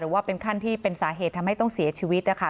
ว่าเป็นขั้นที่เป็นสาเหตุทำให้ต้องเสียชีวิตนะคะ